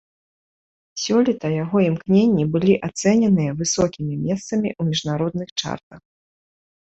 Сёлета яго імкненні былі ацэненыя высокімі месцамі ў міжнародных чартах.